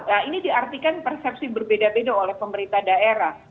nah ini diartikan persepsi berbeda beda oleh pemerintah daerah